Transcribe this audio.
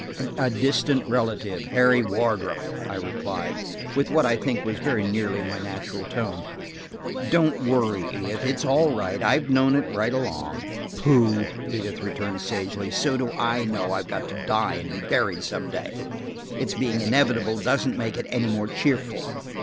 "A distant relative, Harry Wardrop," I replied, with what I think was very nearly my natural tone. "Don't worry, Edith. It's all right. I've known it right along." "Pooh!" Edith returned sagely. "So do I know I've got to die and be buried some day. Its being inevitable doesn't make it any more cheerful."